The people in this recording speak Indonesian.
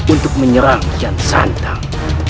untuk menyerang jan santang